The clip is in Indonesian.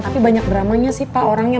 tapi banyak dramanya sih pak orangnya